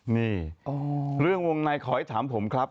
นี่เรื่องวงในขอให้ถามผมครับ